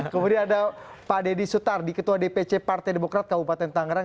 kemudian ada pak deddy sutar di ketua dpc partai demokrat kabupaten tangerang